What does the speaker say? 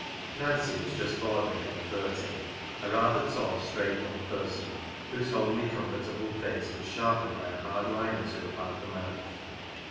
Nancy was just bordering on thirty, a rather tall, straight young person, whose homely, com fortable face was sharpened by a hard line or two about the mouth.